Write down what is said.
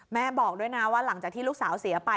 บอกด้วยนะว่าหลังจากที่ลูกสาวเสียไป